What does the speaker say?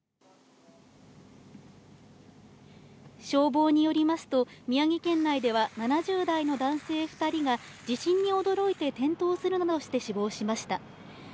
消防によりますと、宮城県内では７０代の男性２人が地震に驚いて転倒するなどして死亡しました。